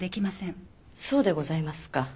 そうでございますか。